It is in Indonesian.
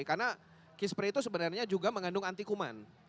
karena key spray itu sebenarnya juga mengandung anti kuman